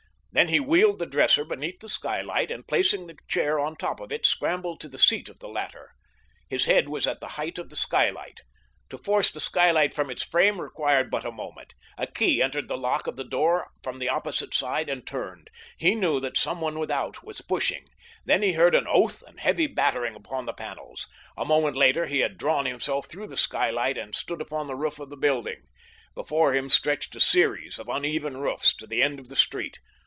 Then he wheeled the dresser beneath the skylight and, placing the chair on top of it, scrambled to the seat of the latter. His head was at the height of the skylight. To force the skylight from its frame required but a moment. A key entered the lock of the door from the opposite side and turned. He knew that someone without was pushing. Then he heard an oath and heavy battering upon the panels. A moment later he had drawn himself through the skylight and stood upon the roof of the building. Before him stretched a series of uneven roofs to the end of the street.